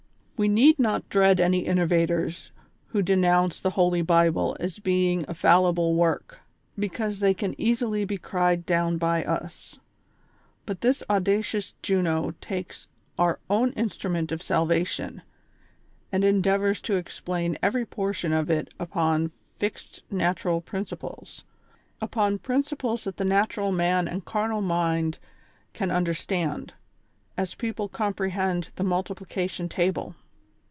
"AVe need not dread any innovators who denounce the Holy Bible as being a fallible work ; because they can easily be cried downi by us ; but this audacious Juno takes our own instrument of salvation, and endeavors to explain every portion of it upon fixed natural principles ; upon principles that the natural man and carnal mind can un derstand, as people comprehend the multiplication table.